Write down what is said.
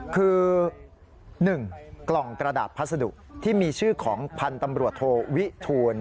คือ๑กล่องกระดาษพัสดุที่มีชื่อของพันธุ์ตำรวจโทวิทูล